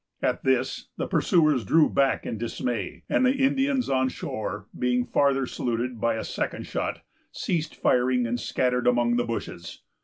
At this, the pursuers drew back in dismay; and the Indians on shore, being farther saluted by a second shot, ceased firing, and scattered among the bushes.